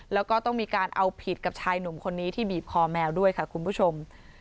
แล้วก็ต้องมีการเอาผิดกับชายหนุ่มคนนี้ที่บีบคอแมวด้วยค่ะคุณผู้ชม